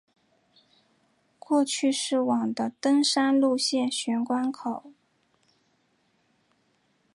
过去是往的登山路线玄关口。